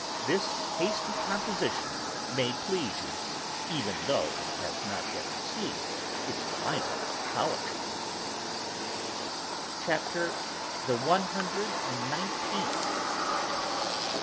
This hasty composition may please you, even though it has not yet received its final polishing:" CHAPTER THE ONE HUNDRED AND NINETEENTH.